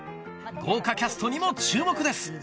豪華キャストにも注目です